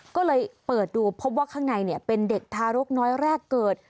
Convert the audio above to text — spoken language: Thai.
ก็เลยเปิดดูพบว่าข้างในเป็นเด็กทารกน้อยแรกเกิด